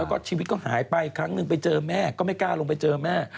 แล้วก็ชีวิตก็หายไปครั้งหนึ่งไปเจอแม่ก็ไม่กล้าลงไปเจอแม่